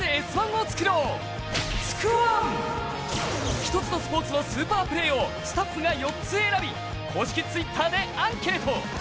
１つのスポーツのスーパープレーをスタッフが４つ選び公式Ｔｗｉｔｔｅｒでアンケート。